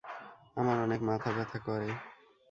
আমার অনেক মাথা ব্যথা করে।